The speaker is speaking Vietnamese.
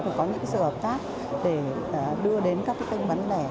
và có những sự hợp tác để đưa đến các tin bắn